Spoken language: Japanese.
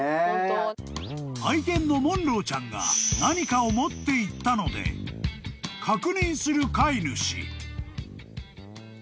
［愛犬のモンローちゃんが何かを持っていったので確認する飼い主］